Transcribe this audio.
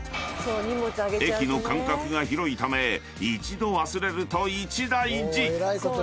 ［駅の間隔が広いため一度忘れると一大事！］